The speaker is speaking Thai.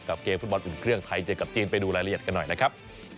เกมฟุตบอลอุ่นเครื่องไทยเจอกับจีนไปดูรายละเอียดกันหน่อยนะครับ